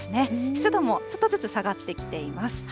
湿度もちょっとずつ下がってきています。